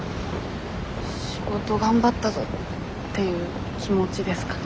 仕事頑張ったぞっていう気持ちですかね。